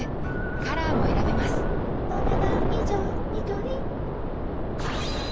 カラーも選べますお、ねだん以上。